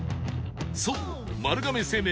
そう丸亀製麺